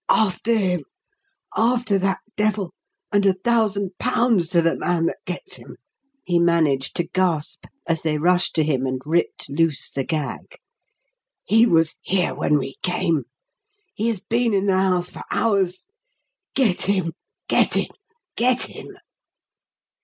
"After him! After that devil, and a thousand pounds to the man that gets him!" he managed to gasp as they rushed to him and ripped loose the gag. "He was here when we came! He has been in the house for hours. Get him! get him! get him!"